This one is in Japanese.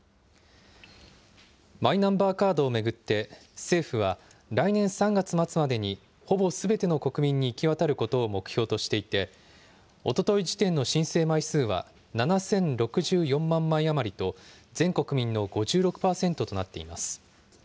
マイナンバーカードを巡って、政府は来年３月末までにほぼすべての国民に行き渡ることを目標としていて、おととい時点の申請枚数は７０６４万枚余りと、全国民の５６％となっています。